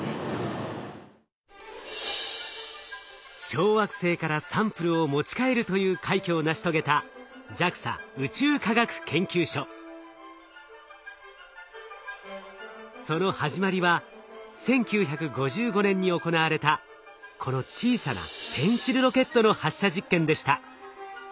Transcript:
小惑星からサンプルを持ち帰るという快挙を成し遂げたその始まりは１９５５年に行われたこの小さなペンシルロケットの発射実験でした。